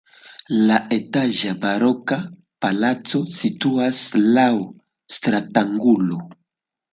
La etaĝa baroka palaco situas laŭ stratangulo.